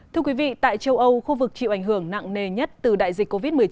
thưa quý vị tại châu âu khu vực chịu ảnh hưởng nặng nề nhất từ đại dịch covid một mươi chín